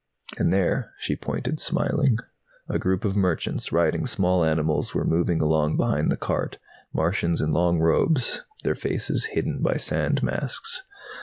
"And there." She pointed, smiling. A group of merchants riding small animals were moving along behind the cart, Martians in long robes, their faces hidden by sand masks.